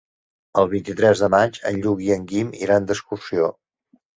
El vint-i-tres de maig en Lluc i en Guim iran d'excursió.